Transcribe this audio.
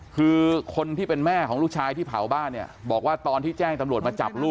คือคนที่เป็นแม่ของลูกชายที่เผาบ้านเนี่ยบอกว่าตอนที่แจ้งตำรวจมาจับลูก